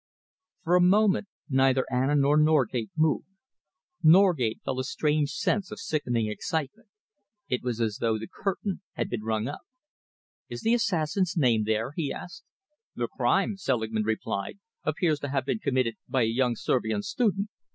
For a moment neither Anna nor Norgate moved. Norgate felt a strange sense of sickening excitement. It was as though the curtain had been rung up! "Is the assassin's name there?" he asked. "The crime," Selingman replied, "appears to have been committed by a young Servian student.